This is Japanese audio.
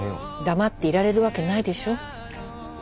黙っていられるわけないでしょ。